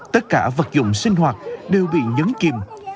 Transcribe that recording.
tất cả vật dụng sinh hoạt đều bị nhấn kìm